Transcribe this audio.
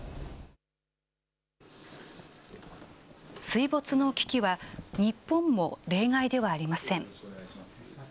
水没の危機は、日本も例外ではありません。